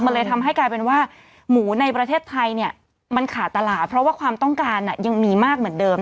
มันเลยทำให้กลายเป็นว่าหมูในประเทศไทยเนี่ยมันขาดตลาดเพราะว่าความต้องการยังมีมากเหมือนเดิม